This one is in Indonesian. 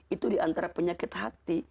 itu diantara penyakit hati